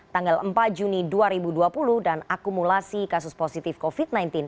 tanggal empat juni dua ribu dua puluh dan akumulasi kasus positif covid sembilan belas